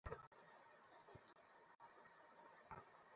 আমরা দেখি যাদের অনিল দেখেছিল সেই দিন অথবা তার অতীতের যাপনে।